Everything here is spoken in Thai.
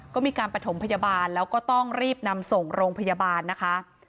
ก็มีการประถมพยาบาลแล้วก็ต้องรีบนำส่งโรงพยาบาลนะคะ